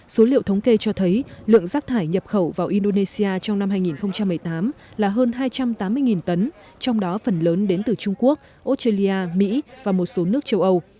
số liệu thống kê cho thấy lượng rác thải nhập khẩu vào indonesia trong năm hai nghìn một mươi tám là hơn hai trăm tám mươi tấn trong đó phần lớn đến từ trung quốc australia mỹ và một số nước châu âu